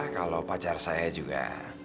kalau pacar saya juga